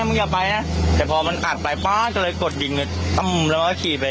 มึงอย่าไปนะแต่พอมันอัดไปป๊าดก็เลยกดยิงตั้มแล้วก็ขี่ไป